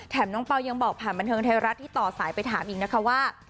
น้องเปล่ายังบอกผ่านบันเทิงไทยรัฐที่ต่อสายไปถามอีกนะคะว่า